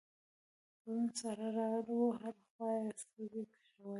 پرون سارا راغلې وه؛ هره خوا يې سترګې کشولې.